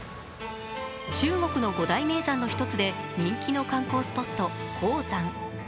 中国の五大名山の一つで人気の観光スポット・衡山。